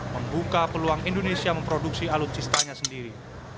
membuka peluang indonesia memproduksi alutsistanya sendiri